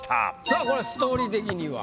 さぁこれストーリー的には？